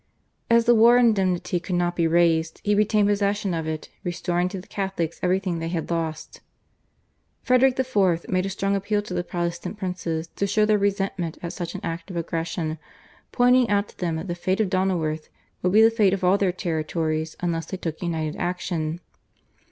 As the war indemnity could not be raised he retained possession of it, restoring to the Catholics everything they had lost. Frederick IV. made a strong appeal to the Protestant princes to show their resentment at such an act of aggression, pointing out to them that the fate of Donauworth would be the fate of all their territories unless they took united action.